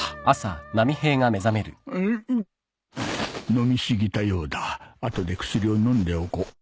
飲み過ぎたようだ後で薬を飲んでおこう